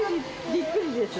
びっくりです。